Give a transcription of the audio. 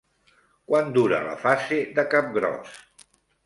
Quan durà la fase de capgròs?